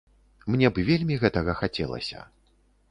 Мне б вельмі гэтага хацелася.